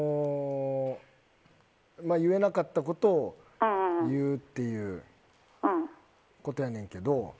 言えなかったことを言うっていうことやねんけど。